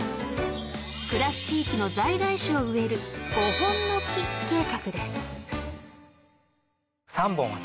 ［暮らす地域の在来種を植える「５本の樹」計画です］